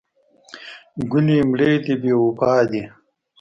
ګلې مړې دې بې وفا دي.